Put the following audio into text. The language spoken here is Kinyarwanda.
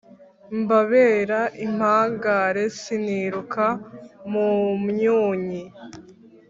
Mbabera impangare siniruka mu mpunnyi